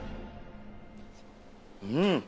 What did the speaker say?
うん。